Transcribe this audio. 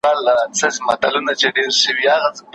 تور دېوان د شپې راغلي د رڼا سر یې خوړلی